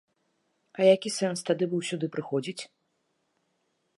А які сэнс тады быў сюды прыходзіць?